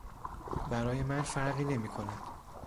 برای من فرقی نمیکند.